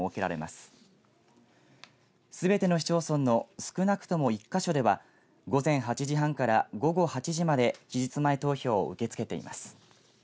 すべての市町村の少なくとも１か所では午前８時半から午後８時まで期日前投票を受け付けています。